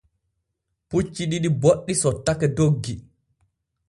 Pucci ɗiɗi boɗɗi sottake doggi.